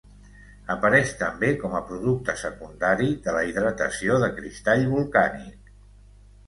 Apareix també com a producte secundari de la hidratació de cristall volcànic.